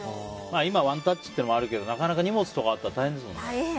今、ワンタッチっていうのもあるけどなかなか荷物とかあると大変ですからね。